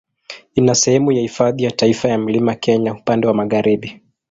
Ina sehemu ya Hifadhi ya Taifa ya Mlima Kenya upande wa magharibi.